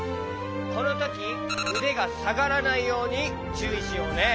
このときうでがさがらないようにちゅういしようね。